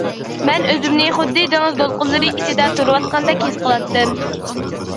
مەن ئۆزۈمنى خۇددى دېڭىز دولقۇنلىرى ئىچىدە تۇرۇۋاتقاندەك ھېس قىلاتتىم.